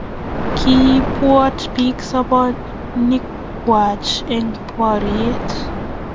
kiiboot biik sobonikwach eng' boriet